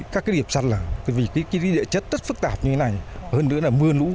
các cái điểm sạt lở tại vì cái địa chất rất phức tạp như thế này hơn nữa là mưa lũ